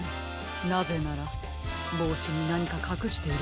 なぜならぼうしになにかかくしているからでは？